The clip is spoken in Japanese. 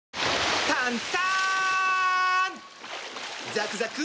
ザクザク！